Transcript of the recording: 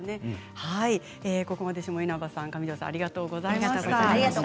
ここまで下稲葉さん上條さん、ありがとうございました。